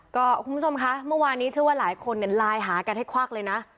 คุณผู้ชมคะเมื่อวานนี้เชื่อว่าหลายคนเนี่ยไลน์หากันให้ควักเลยนะ